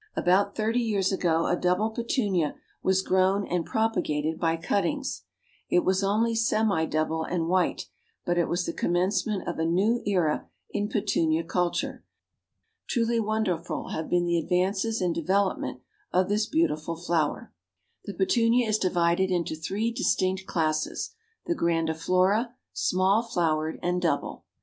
About thirty years ago a double Petunia was grown and propagated by cuttings. It was only semi double and white, but it was the commencement of a new era in Petunia culture. Truly wonderful have been the advances in development of this beautiful flower. The Petunia is divided into three distinct classes, the Grandiflora, Small Flowered and Double.